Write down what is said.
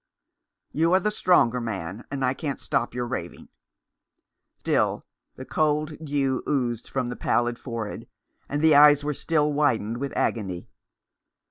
"You are the stronger man, and I can't stop your raving." 37$ The Enemy and Avenger. Still the cold dew oozed from the pallid fore head, and the eyes were still widened with agony.